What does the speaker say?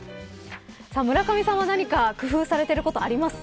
村上さんは何か工夫されてることありますか。